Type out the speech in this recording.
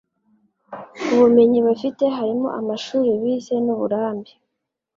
Ubumenyi bafite harimo amashuri bize n ‘uburambe